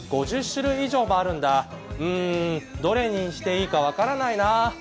５０種類以上もあるんだ、うーん、どれにしていいか分からないな。